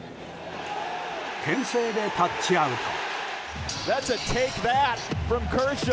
牽制でタッチアウト！